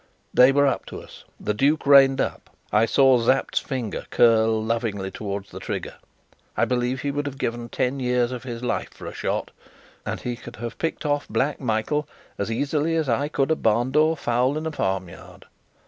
They were up to us: the duke reined up. I saw Sapt's finger curl lovingly towards the trigger. I believe he would have given ten years of his life for a shot; and he could have picked off Black Michael as easily as I could a barn door fowl in a farmyard.